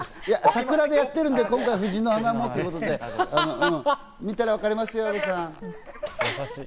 桜でやってるんで今回、藤の花もということでね、見たらわかりますよ、阿部さん。